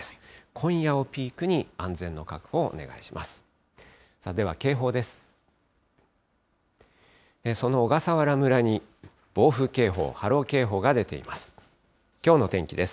今夜をピークに安全の確保をお願いします。